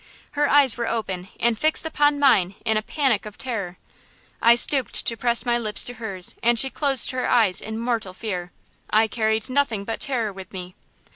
Her eyes were open and fixed upon mine in a panic of terror. I stooped to press my lips to her's and she closed her eyes in mortal fear, I carried nothing but terror with me!